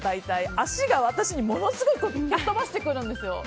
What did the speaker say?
足が私にものすごい蹴飛ばしてくるんですよ。